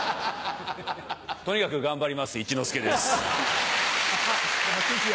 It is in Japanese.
とにかく頑張ります一之輔です。